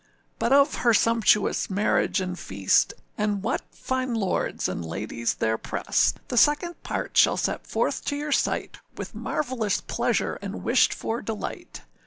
But of her sumptuous marriage and feast, And what fine lords and ladies there prest, The second part shall set forth to your sight, With marvellous pleasure and wished for delight.